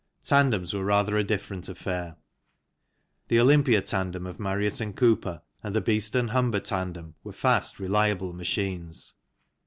Tandems were rather a different affair. The Olympia tandem of Marriott and Cooper and the Beeston Humber tandem were fast reliable machines.